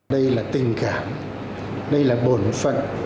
đây là tình cảm đây là bổn phận